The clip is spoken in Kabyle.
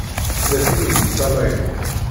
Tella tin i yeṭṭalayen.